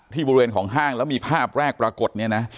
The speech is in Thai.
ที่บริเวณของห้างและมีภาพแรกปรากฏ